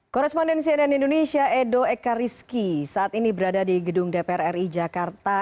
korespondensi ann indonesia edo ekariski saat ini berada di gedung dpr ri jakarta